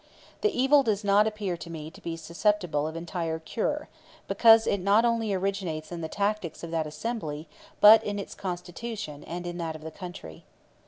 The evil does not appear to me to be susceptible of entire cure, because it not only originates in the tactics of that assembly, but in its constitution and in that of the country.